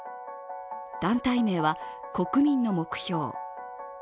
団体名は国民の目標。